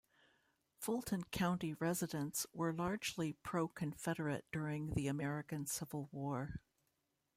Fulton County residents were largely pro-Confederate during the American Civil War.